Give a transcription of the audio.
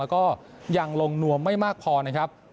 แล้วก็ยังลงนวมไม่มากพอนะครับ